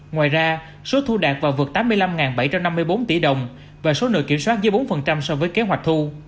ngoài ra số thu đạt và vượt tám mươi năm bảy trăm năm mươi bốn tỷ đồng và số nợ kiểm soát dưới bốn so với kế hoạch thu